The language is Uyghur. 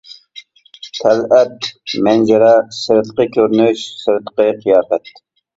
تەلئەت : مەنزىرە، سىرتقى كۆرۈنۈش، سىرتقى قىياپەت.